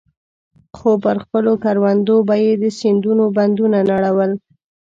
خو پر خپلو کروندو به يې د سيندونو بندونه نړول.